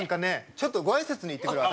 ちょっとご挨拶に行ってくる私。